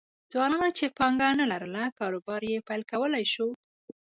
ځوانانو چې پانګه نه لرله کاروبار یې پیل کولای شو